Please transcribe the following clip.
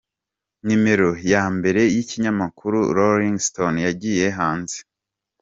Numero ya mbere y’ikinyamakuru Rolling Stone yagiye hanze.